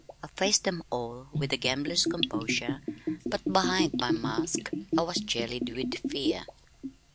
I faced them all with a gambler's composure but behind my mask I was jellied with fear.